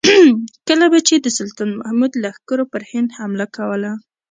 کله به چې د سلطان محمود لښکرو پر هند حمله کوله.